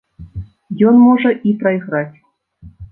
Ён можа і прайграць.